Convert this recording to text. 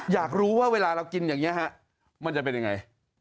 อยากรู้ว่าเวลาเรากินอย่างนี้ฮะมันจะเป็นยังไง